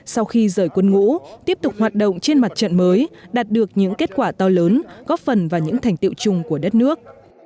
sau khi rời quân ngũ tiếp tục hoạt động trên mặt trận mới đạt được những kết quả to lớn góp phần vào những thành tiệu chung của đất nước